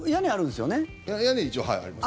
屋根、一応あります。